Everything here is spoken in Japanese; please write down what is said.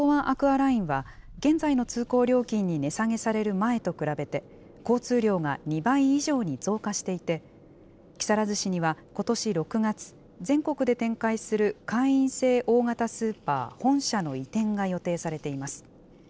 アクアラインは、現在の通行料金に値下げされる前と比べて、交通量が２倍以上に増加していて、木更津市にはことし６月、全国で展開する会員制大型スーパー本社の移転が予定されています。